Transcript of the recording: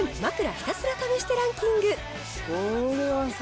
ひたすら試してランキング。